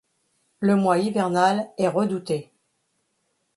Le mois hivernal est redouté.